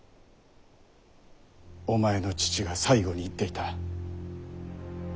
お前の父が最後に言っていた。